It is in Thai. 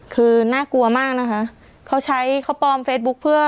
คือน่ากลัวมากนะคะเขาใช้เขาปลอมเฟซบุ๊คเพื่อ